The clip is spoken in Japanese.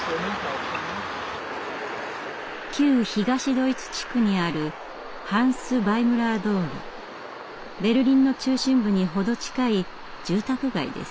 旧東ドイツ地区にあるベルリンの中心部に程近い住宅街です。